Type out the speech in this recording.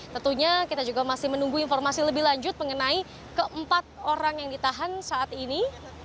tentunya kita juga masih menunggu informasi lebih lanjut mengenai keempat orang yang ditahan saat ini